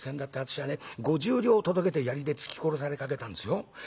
私はね５０両届けて槍で突き殺されかけたんですよ。